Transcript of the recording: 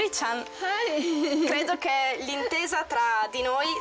はい。